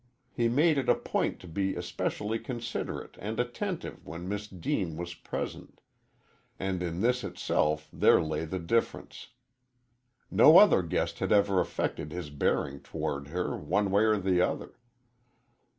He made it a point to be especially considerate and attentive when Miss Deane was present and in this itself there lay a difference. No other guest had ever affected his bearing toward her, one way or the other.